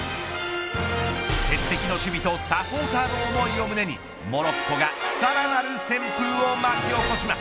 鉄壁の守備とサポーターの思いを胸にモロッコがさらなる旋風を巻き起こします。